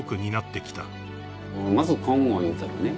まず金剛いうたらね